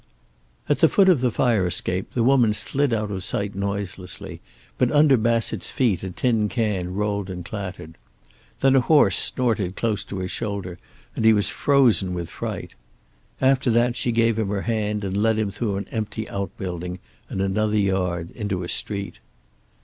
At the foot of the fire escape the woman slid out of sight noiselessly, but under Bassett's feet a tin can rolled and clattered. Then a horse snorted close to his shoulder, and he was frozen with fright. After that she gave him her hand, and led him through an empty outbuilding and another yard into a street.